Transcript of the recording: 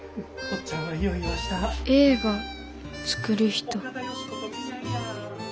映画作る人。